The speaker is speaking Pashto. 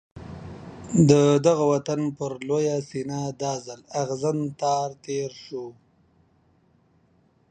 د دغه وطن پر لویه سینه دا ځل اغزن تار تېر شو.